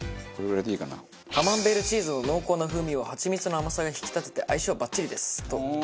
カマンベールチーズの濃厚な風味をハチミツの甘さが引き立てて相性バッチリです！と。